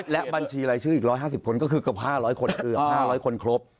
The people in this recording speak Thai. และบัญชีรายชื่ออีก๑๕๐คนก็คือครบ๕๐๐คนครบ